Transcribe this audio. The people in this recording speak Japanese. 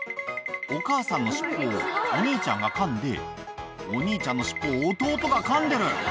お母さんの尻尾をお兄ちゃんがかんで、お兄ちゃんの尻尾を弟がかんでる。